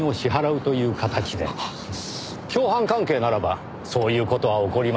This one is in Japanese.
共犯関係ならばそういう事は起こりません。